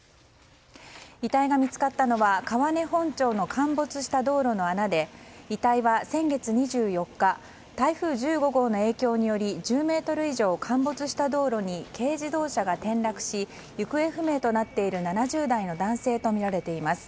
遺体が見つかったのは川根本町の陥没した道路の穴で遺体は先月２４日台風１５号の影響により１０ｍ以上陥没した道路に軽自動車が転落し行方不明となっている７０代の男性とみられています。